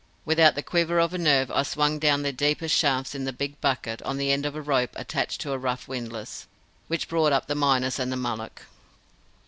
Without the quiver of a nerve I swung down their deepest shafts in the big bucket on the end of a rope attached to a rough windlass, which brought up the miners and the mullock.